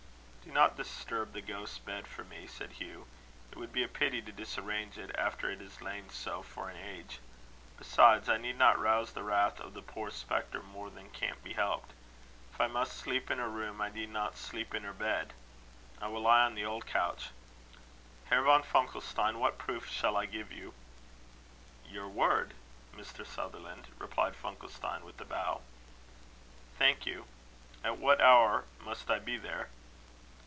"Do not disturb the ghost's bed for me," said Hugh. "It would be a pity to disarrange it, after it has lain so for an age. Besides, I need not rouse the wrath of the poor spectre more than can't be helped. If I must sleep in her room, I need not sleep in her bed. I will lie on the old couch. Herr von Funkelstein, what proof shall I give you?" "Your word, Mr. Sutherland," replied Funkelstein, with a bow. "Thank you. At what hour must I be there."